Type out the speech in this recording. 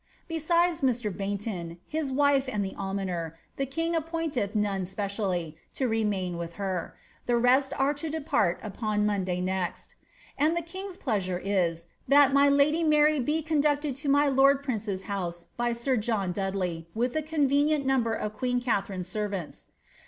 Besit Baynton, his wife, and the almoner, the king appointeth none spec remain with her ; the rest are to depart uyton Monday next. And th pleasure is, that my lady Mary' be conducted to my lord prince's hoai John Dudley, with a convenient number of queen Katharine's servants.''